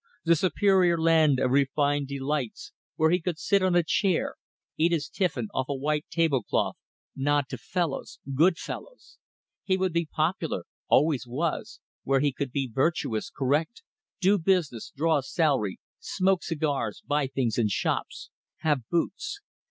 The superior land of refined delights where he could sit on a chair, eat his tiffin off a white tablecloth, nod to fellows good fellows; he would be popular; always was where he could be virtuous, correct, do business, draw a salary, smoke cigars, buy things in shops have boots